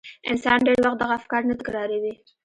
انسان ډېر وخت دغه افکار نه تکراروي.